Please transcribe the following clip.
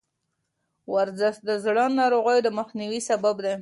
ورزش د زړه ناروغیو د مخنیوي سبب دی.